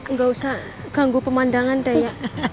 nggak usah ganggu pemandangan daya